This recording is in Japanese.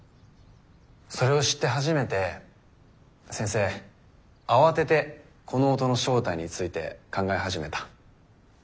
それを知って初めて先生慌ててこの音の正体について考え始めた。